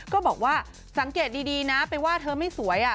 ก็บอกว่าสังเกตดีนะไปว่าเธอไม่สวย